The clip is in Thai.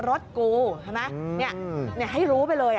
รถกูใช่มั้ยเนี่ยให้รู้ไปเลย